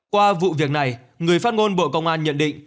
qua vụ việc này người phát ngôn bộ công an nhận định